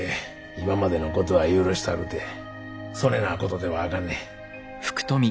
今までのことは許したるてそねなことではあかんねん。